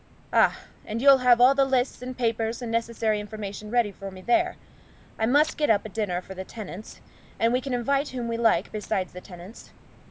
"Ah, and you'll have all the lists and papers and necessary information ready for me there. I must get up a dinner for the tenants, and we can invite whom we like besides the tenants.